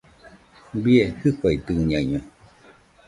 ¡Bie jɨfaidɨñaino!